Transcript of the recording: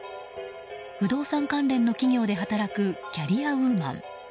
不動産関連の企業で働くキャリアウーマン。